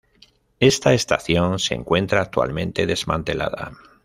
Esta estación se encuentra actualmente desmantelada.